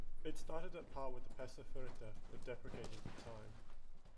It started at par with the peso fuerte, but depreciated with time.